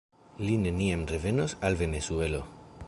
Li neniam revenos al Venezuelo.